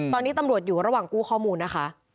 ตอนนี้ตำรวจอยู่ระหว่างกู้ข้อมูลนะคะ